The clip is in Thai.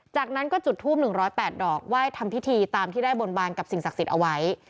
จากนั้นก็จุดทูป๑๐๘ดอกไหว้ทำพิธีตามที่ได้บนบานกับสิ่งศักดิ์สิทธิ์เอาไว้